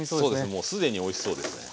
もうすでにおいしそうですね。